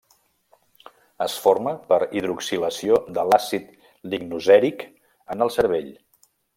Es forma per hidroxilació de l'àcid lignocèric en el cervell.